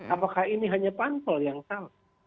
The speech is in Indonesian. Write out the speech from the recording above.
apakah ini hanya pantul yang salah